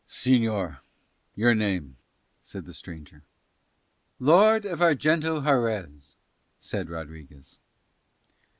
"Señor, your name," said the stranger. "Lord of Arguento Harez," said Rodriguez.